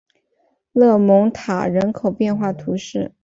勒蒙塔人口变化图示